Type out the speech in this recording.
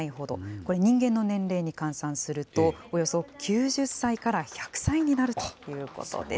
これ、人間の年齢に換算すると、およそ９０歳から１００歳になるということです。